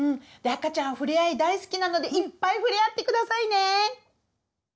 赤ちゃんふれあい大好きなのでいっぱいふれあってくださいね！